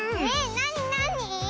なになに？